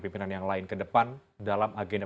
pimpinan yang lain ke depan dalam agenda